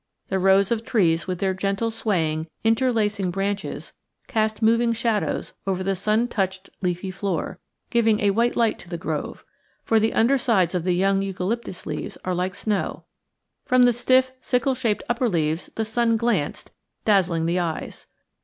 The rows of trees, with their gently swaying, interlacing branches, cast moving shadows over the sun touched leafy floor, giving a white light to the grove; for the undersides of the young eucalyptus leaves are like snow. From the stiff, sickle shaped upper leaves the sun glanced, dazzling the eyes.